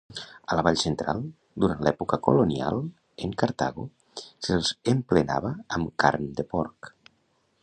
A la Vall Central, durant l'època colonial, en Cartago, se'ls emplenava amb carn de porc.